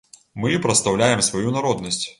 Мы прадстаўляем сваю народнасць.